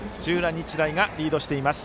日大がリードしています。